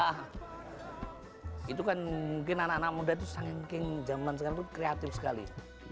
ah itu kan mungkin anak anak muda tuh sangat mungkin zaman sekarang tuh kreatif sekali